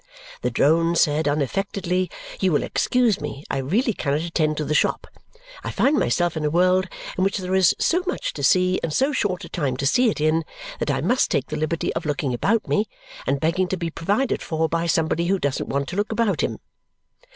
The drone said unaffectedly, "You will excuse me; I really cannot attend to the shop! I find myself in a world in which there is so much to see and so short a time to see it in that I must take the liberty of looking about me and begging to be provided for by somebody who doesn't want to look about him."